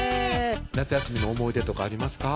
夏休みの思い出とかありますか？